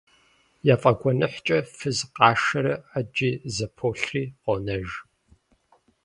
Яфӏэгуэныхькӏэ фыз къашэрэ, ӏэджи зэполъри къонэж.